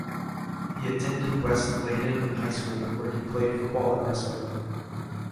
He attended West Leyden High School where he played football and wrestling.